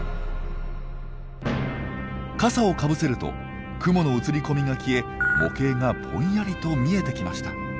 傘をかぶせると雲の映り込みが消え模型がぼんやりと見えてきました。